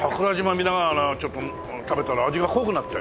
見ながら食べたら味が濃くなったよ。